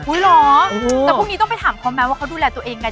เหรอแต่พรุ่งนี้ต้องไปถามเขาไหมว่าเขาดูแลตัวเองไง